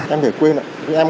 em phải quên ạ